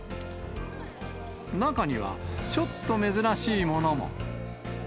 中には、ちょっと珍しいものも。